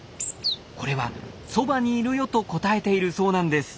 これは「そばにいるよ」と答えているそうなんです。